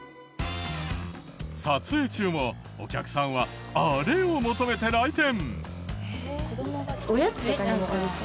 撮影中もお客さんはあれを求めて来店。